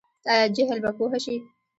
آیا جهل به پوهه شي؟